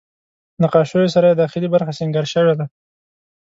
نقاشیو سره یې داخلي برخه سینګار شوې ده.